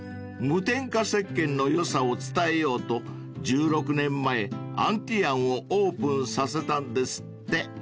［無添加石鹸の良さを伝えようと１６年前アンティアンをオープンさせたんですって］